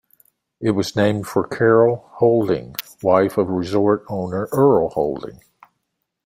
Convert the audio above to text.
It was named for Carol Holding, wife of resort owner Earl Holding.